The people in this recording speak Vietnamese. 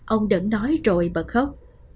ông đẩn nói rồi bật khóc